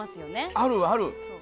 ある、ある。